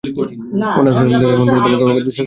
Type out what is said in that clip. অনাথাশ্রম থেকে এখন পর্যন্ত আমাকে অগাধ বিশ্বাস করেছ।